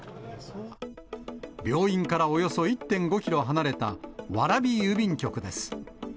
病院からおよそ１．５キロ離れた蕨郵便局です。